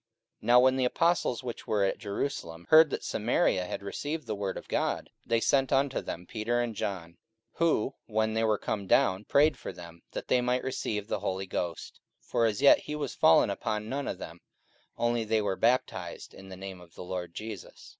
44:008:014 Now when the apostles which were at Jerusalem heard that Samaria had received the word of God, they sent unto them Peter and John: 44:008:015 Who, when they were come down, prayed for them, that they might receive the Holy Ghost: 44:008:016 (For as yet he was fallen upon none of them: only they were baptized in the name of the Lord Jesus.)